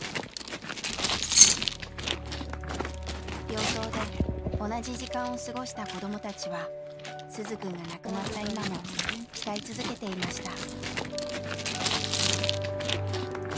病棟で同じ時間を過ごした子どもたちは鈴くんが亡くなった今も慕い続けていました。